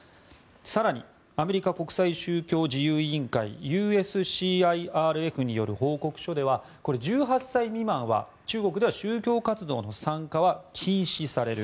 更にアメリカ国際宗教自由委員会・ＵＳＣＩＲＦによる報告書では１８歳未満は中国では宗教活動の参加は禁止される